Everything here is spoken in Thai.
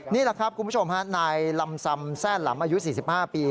นี่แหละครับคุณผู้ชมฮะนายลำซำแซ่หลำอายุ๔๕ปี